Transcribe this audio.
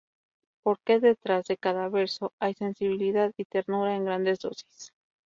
Porque detrás de cada verso hay sensibilidad y ternura en grandes dosis.